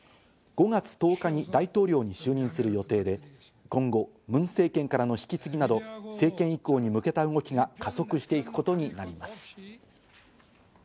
５月１０日に大統領に就任する予定で、今後、ムン政権からの引き継ぎなど、政権移行に向けた動きが加速していくことになります。